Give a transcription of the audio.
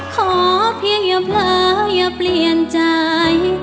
ขอเพียงอย่าเผลออย่าเปลี่ยนใจ